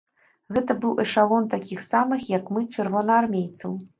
Гэта быў эшалон такіх самых, як мы, чырвонаармейцаў.